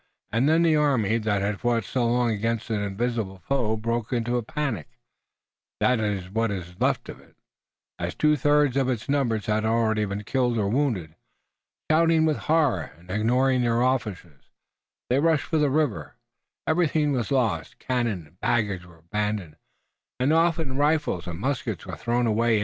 Then the army that had fought so long against an invisible foe broke into a panic, that is what was left of it, as two thirds of its numbers had already been killed or wounded. Shouting with horror and ignoring their officers, they rushed for the river. Everything was lost, cannon and baggage were abandoned, and often rifles and muskets were thrown away.